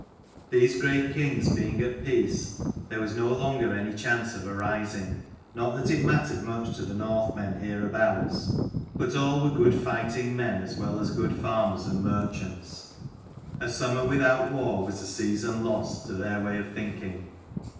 These great kings being at peace there was no longer any chance of a rising: not that it mattered much to the Northmen hereabouts: but they were all good fighting men as well as good farmers and merchants. A summer without war was a season lost, to their way of thinking.